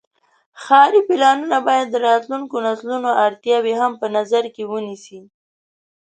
ښاري پلانونه باید د راتلونکو نسلونو اړتیاوې هم په نظر کې ونیسي.